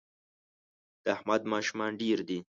د احمد ماشومان ډېر دي